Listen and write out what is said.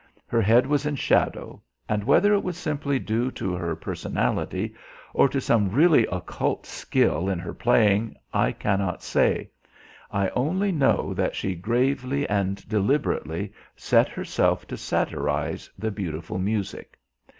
Her head was in shadow. And whether it was simply due to her personality or to some really occult skill in her playing I cannot say: I only know that she gravely and deliberately set herself to satirise the beautiful music.